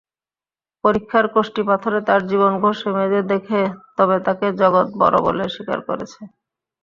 পরীক্ষার কষ্টিপাথরে তার জীবন ঘষে মেজে দেখে তবে তাকে জগৎ বড় বলে স্বীকার করেছে।